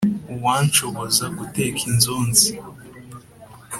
Uwanshoboza guteka inzonzi